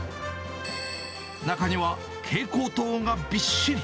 中には蛍光灯がびっしり。